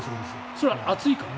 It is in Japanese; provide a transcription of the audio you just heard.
それは暑いから？